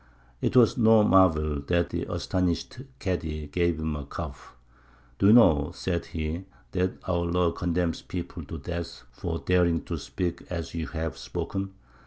It was no marvel that the astonished Kādy gave him a cuff. "Do you know," said he, "that our law condemns people to death for daring to speak as you have spoken?"